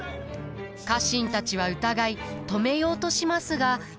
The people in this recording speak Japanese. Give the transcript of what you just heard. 家臣たちは疑い止めようとしますが。